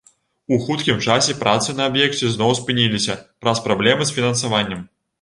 У хуткім часе працы на аб'екце зноў спыніліся праз праблемы з фінансаваннем.